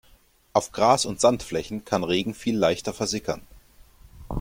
Auf Gras- und Sandflächen kann Regen viel leichter versickern.